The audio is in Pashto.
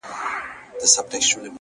څنگه دي د زړه سيند ته غوټه سمه ـ